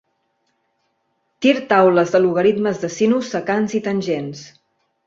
Tir taules de logaritmes de sinus, secants i tangents.